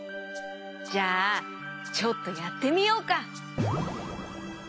じゃあちょっとやってみようか。